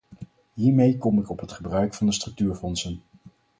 Hiermee kom ik op het gebruik van de structuurfondsen.